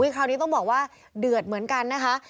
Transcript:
คราวนี้ต้องบอกว่าเดือดเหมือนกันนะคะ